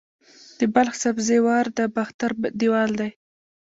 د بلخ سبزې وار د باختر دیوال دی